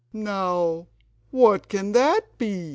"Now what can that be?"